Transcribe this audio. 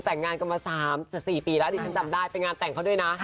แต่งงานกันมา๓๔ปีแล้วดิฉันจำได้ไปงานแต่งเขาด้วยนะ